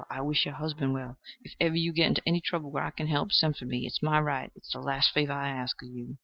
I wish your husband well. If ever you git into any trouble where I can help, send for me: it's my right. It's the last favor I ask of you."